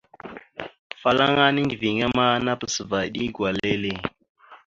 Afalaŋa nindəviŋáma napas va eɗe gwala lele.